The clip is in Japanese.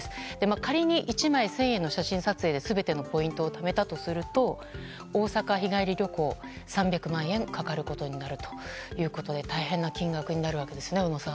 仮に１枚１０００円の写真撮影で全てのポイントをためたとすると大阪日帰り旅行で３００万円かかることになるということで大変な金額になるわけですね小野さん。